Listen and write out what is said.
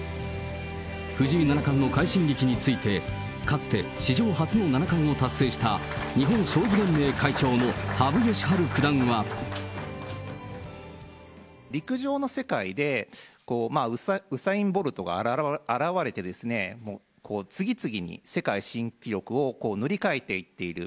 藤井七冠の快進撃についてかつて史上初の七冠を達成した日本将棋陸上の世界で、ウサイン・ボルトが現れて、次々に世界新記録を塗り替えていっている。